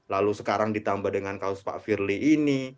lalu sekarang ditambah dengan kaos pak firly ini